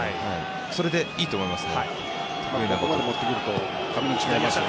それでいいと思います。